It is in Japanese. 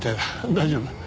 大丈夫。